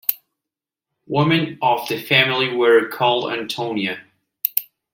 Women of the family were called "Antonia".